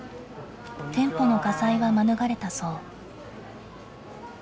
店舗の火災は免れたそう。